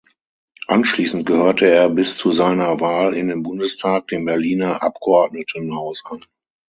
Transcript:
Anschließend gehörte er bis zu seiner Wahl in den Bundestag dem Berliner Abgeordnetenhaus an.